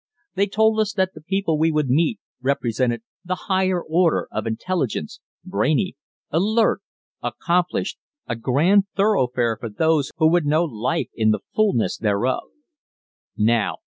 They told us that the people we would meet represented the higher order of intelligence, brainy, alert, accomplished a grand thoroughfare for those who would know life in the fullness thereof.